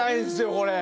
これ！